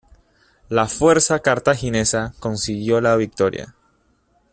La fuerza cartaginesa consiguió la victoria.